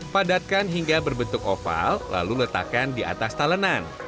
padatkan hingga berbentuk oval lalu letakkan di atas talenan